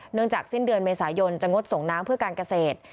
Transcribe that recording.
จากสิ้นเดือนเมษายนจะงดส่งน้ำเพื่อการเกษตร